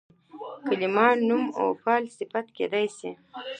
کلیمه نوم، فعل او صفت کېدای سي.